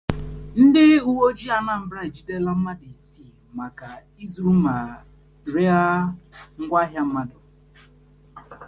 Ndị Uweojii Anambra Ejidela Mmadụ Isii Maka Izuru Ma Reghaa Ngwahịa Mmadụ